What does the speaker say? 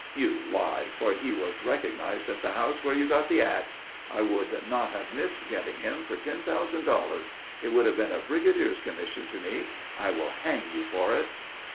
"You lie, for he was recognized at the house where you got the ax. I would not have missed getting him for ten thousand dollars. It would have been a brigadier's commission to me. I will hang you for it."